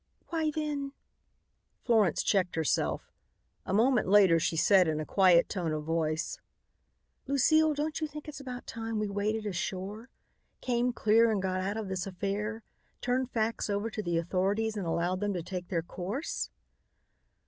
"Why then " Florence checked herself. A moment later she said in a quiet tone of voice: "Lucile, don't you think it's about time we waded ashore? Came clear and got out of this affair; turned facts over to the authorities and allowed them to take their course?"